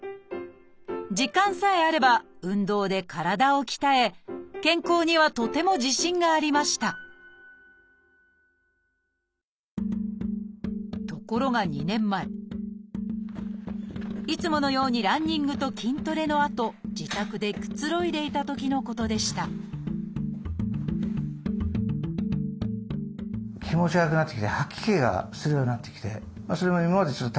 時間さえあれば運動で体を鍛え健康にはとても自信がありましたところが２年前いつものようにランニングと筋トレのあと自宅でくつろいでいたときのことでしたマーライオンみたいにぶわっとぐわっと。